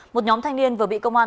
một nhóm thanh niên vừa bị công an